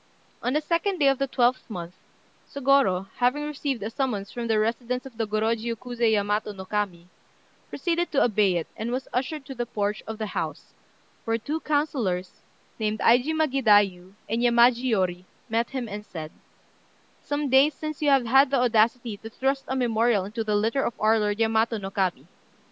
On the 2d day of the 12th month, Sôgorô, having received a summons from the residence of the Gorôjiu Kuzé Yamato no Kami, proceeded to obey it, and was ushered to the porch of the house, where two councillors, named Aijima Gidaiyu and Yamaji Yôri, met him, and said "Some days since you had the audacity to thrust a memorial into the litter of our lord Yamato no Kami.